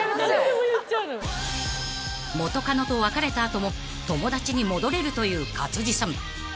［元カノと別れた後も友達に戻れるという勝地さん］